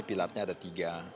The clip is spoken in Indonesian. pilarnya ada tiga